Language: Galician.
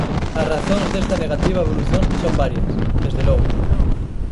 As razóns desta negativa evolución son varias, desde logo.